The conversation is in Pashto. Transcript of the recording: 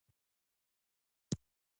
مدیریت د چارو رهبري کول دي.